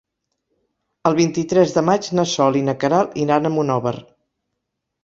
El vint-i-tres de maig na Sol i na Queralt iran a Monòver.